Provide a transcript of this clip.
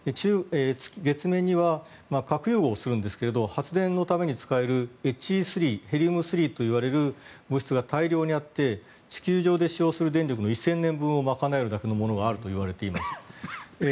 月面には核融合するんですが発電のために使えるＨｌ３ヘリウム３といわれる物質が大量にあって地球上で使用する燃料の１０００年分を賄う量があるといわれています。